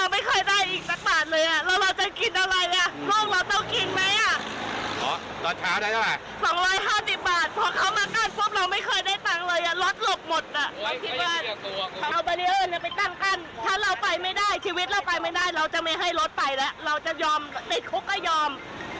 ไม่ให้ลดไปแล้วเราจะยอมในคุกก็ยอม